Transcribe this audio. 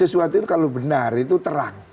sesuatu itu kalau benar itu terang